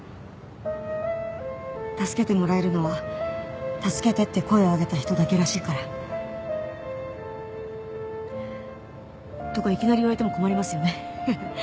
助けてもらえるのは「助けて」って声を上げた人だけらしいから。とかいきなり言われても困りますよね。